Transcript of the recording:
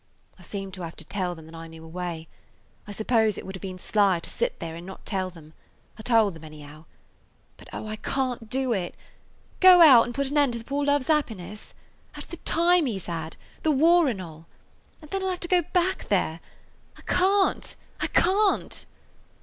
"I seemed to have to tell them that I knew a way. I suppose it would have been sly to sit there and not tell them. I told them, anyhow. But, oh, I can't do it! Go out and put an end to the poor love's happiness. After the time he 's had, the war and all. And then he 'll have to go back there! I can't! I can't!"